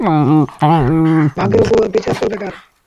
ভাগ্যের উপর বিচার চলবে কার?